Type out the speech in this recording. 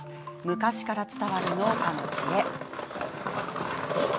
昔から伝わる農家の知恵。